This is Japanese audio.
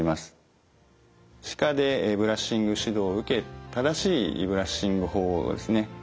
歯科でブラッシング指導を受け正しいブラッシング法をですね